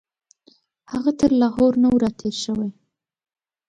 هغه تر لاهور نه وو راتېر شوی.